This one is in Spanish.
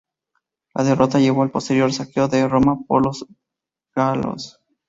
La derrota llevó al posterior saqueo de Roma por los galos.